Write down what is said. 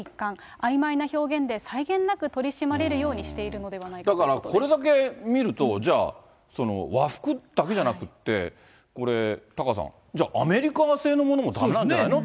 あいまいな表現で際限なく取り締まれるようにしているのではないだから、これだけ見ると、じゃあ、和服だけじゃなくって、これ、タカさん、じゃあ、アメリカ製のものもだめなんじゃないの？